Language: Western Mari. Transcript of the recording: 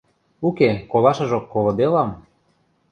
Уке, колашыжок колыделам.